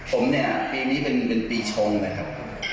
ผมเนี่ยปีนี้เป็นปีชงนะครับ